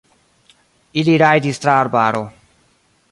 Ili rajdis tra arbaro.